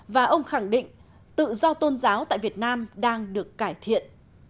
và ông khẳng định tự do tôn giáo tại việt nam đang được cải thiện